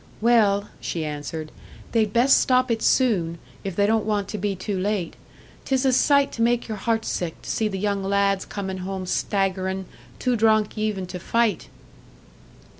"Well," she answered, "they'd best stop it soon, if they don't want to be too late. 'Tis a sight to make your heart sick to see the young lads comin' home staggerin', too drunk even to fight."